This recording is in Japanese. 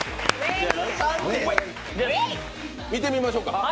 見てみましょうか。